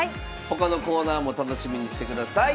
他のコーナーも楽しみにしてください。